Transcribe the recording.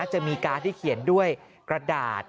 จะมีการ์ที่เขียนด้วยกระดาษ